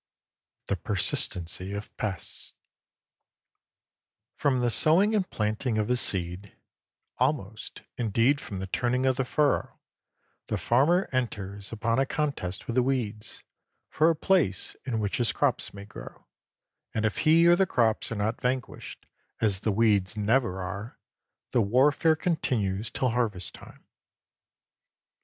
LI THE PERSISTENCY OF PESTS From the sowing and planting of his seed, almost indeed from the turning of the furrow, the farmer enters upon a contest with the weeds, for a place in which his crops may grow, and if he or the crops are not vanquished, as the weeds never are, the warfare continues till harvest time.